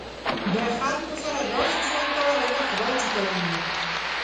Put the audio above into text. د خلکو سره داسې ژوند کوه لکه خدای چې تا ویني.